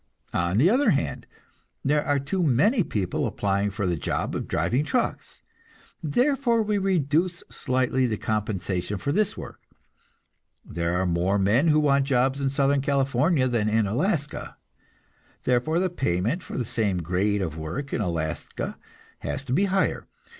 On the other hand, there are too many people applying for the job of driving trucks, therefore we reduce slightly the compensation for this work. There are more men who want jobs in Southern California than in Alaska, therefore the payment for the same grade of work in Alaska has to be higher.